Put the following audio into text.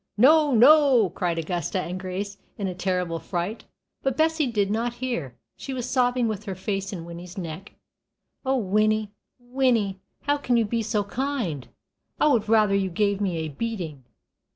"No, no!" cried Augusta and Grace, in a terrible fright, but Bessie did not hear. She was sobbing with her face in Winnie's neck. "Oh, Winnie! Winnie! how can you be so kind? I would rather you gave me a beating."